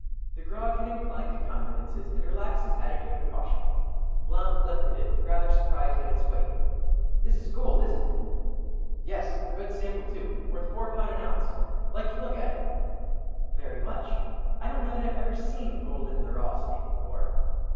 The grog had inclined to confidences and relaxed his attitude of caution. Blount lifted it, rather surprised at its weight. "This is gold, isn't it?" "Yes! a good sample too. Worth four pound an ounce. Like to look at it?" "Very much. I don't know that I've ever seen gold in the raw state before."